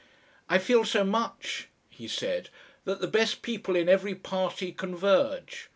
"I feel so much," he said, "that the best people in every party converge.